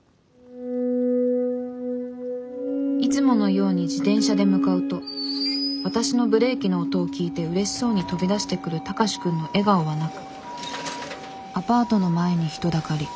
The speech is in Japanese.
「いつものように自転車で向かうと私のブレーキの音を聞いてうれしそうに飛び出してくる高志くんの笑顔はなくアパートの前に人だかり。